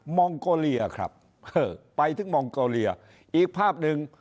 มองโกเลียครับไปถึงมองโกเลียอีกภาพหนึ่ง